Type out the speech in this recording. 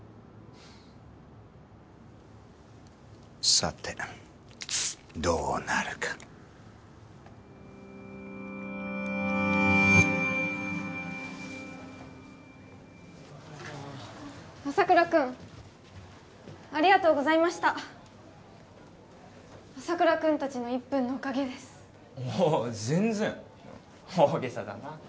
さてどうなるか朝倉君ありがとうございました朝倉君達の１分のおかげですああ全然大げさだなあ